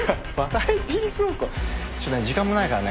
時間もないからね